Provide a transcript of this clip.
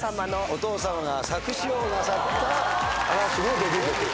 お父さまが作詞をなさった嵐のデビュー曲。